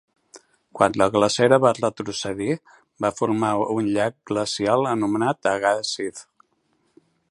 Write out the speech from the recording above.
Quan la glacera va retrocedir, va formar un llac glacial anomenat Agassiz.